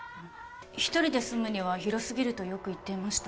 一人で住むには広すぎるとよく言っていました